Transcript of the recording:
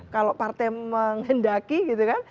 kalau partai menghendaki gitu kan